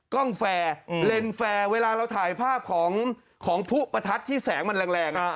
กล้องแฟร์เลนส์แฟร์เวลาเราถ่ายภาพของผู้ประทัดที่แสงมันแรง